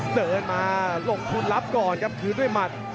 เดินมาลงทุนรับก่อนครับคืนด้วยหมัด